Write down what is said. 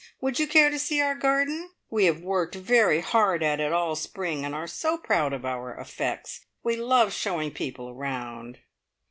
Would you care to see our garden? We have worked very hard at it all spring, and are so proud of our effects. We love showing people round!"